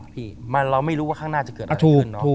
พี่เราไม่รู้ว่าข้างหน้าจะเกิดอะไรขึ้น